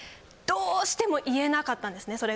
どうしても言えなかったんですね